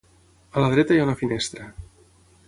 A la dreta hi ha una finestra.